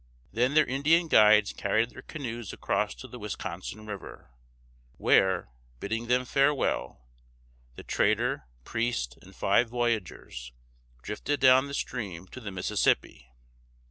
Then their Indian guides carried their canoes across to the Wisconsin River, where, bidding them farewell, the trader, priest, and five voyageurs drifted down the stream to the Mississippi.